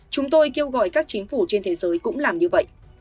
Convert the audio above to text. chúng tôi kêu gọi các chính phủ trên thế giới cũng làm như vậy